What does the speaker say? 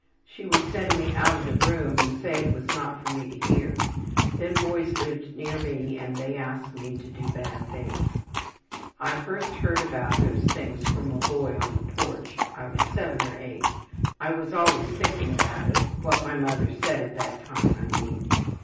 She would send me out of the room and say it was not for me to hear. Then boys lived near me and they asked me to do bad things. I first heard about those things from a boy on the porch. I was 7 or 8. I was always thinking about it what my mother said at that time, I mean.